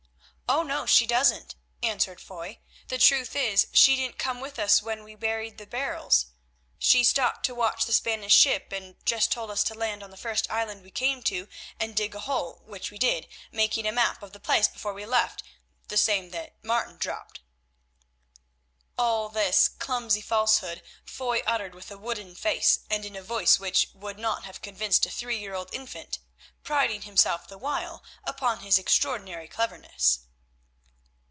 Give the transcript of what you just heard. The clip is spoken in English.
"Oh! no, she doesn't," answered Foy. "The truth is that she didn't come with us when we buried the barrels. She stopped to watch the Spanish ship, and just told us to land on the first island we came to and dig a hole, which we did, making a map of the place before we left, the same that Martin dropped." All this clumsy falsehood Foy uttered with a wooden face and in a voice which would not have convinced a three year old infant, priding himself the while upon his extraordinary cleverness.